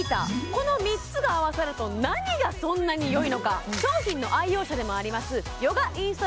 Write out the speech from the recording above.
この３つが合わさると何がそんなによいのか商品の愛用者でもあります